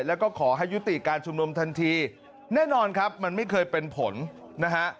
แล้วก็ขอให้ยุติการชุมนุมทันทีแน่นอนครับมันไม่เคยเป็นผลนะฮะ